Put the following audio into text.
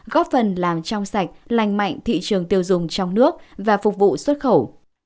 góp phần làm trong sạch lành mạnh thị trường tiêu dùng trong nước và phục vụ xuất khẩu